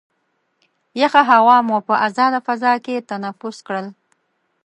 یخه هوا مو په ازاده فضا کې تنفس کړل.